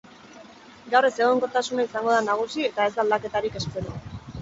Gaur ezegonkortasuna izango da nagusi eta ez da aldaketarik espero.